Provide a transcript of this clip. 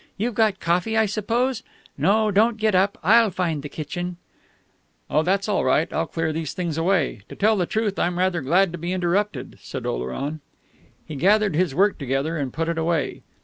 You've got coffee, I suppose? No, don't get up I'll find the kitchen " "Oh, that's all right, I'll clear these things away. To tell the truth, I'm rather glad to be interrupted," said Oleron. He gathered his work together and put it away.